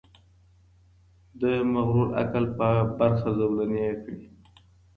د مغرور عقل په برخه زولنې کړي